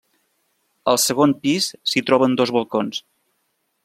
Al segon pis s'hi troben dos balcons.